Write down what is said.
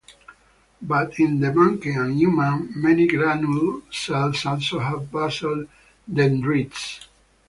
But in the monkey and human, many granule cells also have basal dendrites.